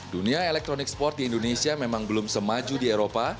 dunia elektronik sport di indonesia memang belum semaju di eropa